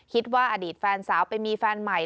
คิดว่าอดีตแฟนสาวไปมีแฟนใหม่